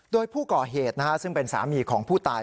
โดยผู้ก่อเหตุซึ่งเป็นสามีของผู้ตาย